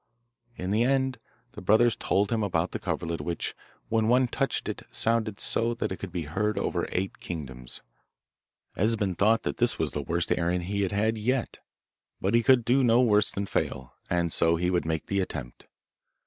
In the end the brothers told him about the coverlet which, when one touched it, sounded so that it could be heard over eight kingdoms. Esben thought that this was the worst errand that he had had yet, but he could not do worse than fail, and so he would make the attempt.